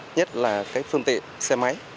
nhất là cái phương tiện xe máy